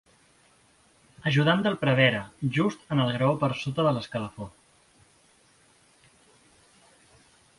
Ajudant del prevere, just en el graó per sota de l'escalafó.